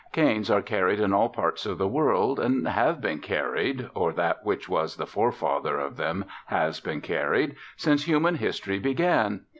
Canes are carried in all parts of the world, and have been carried or that which was the forefather of them has been carried since human history began.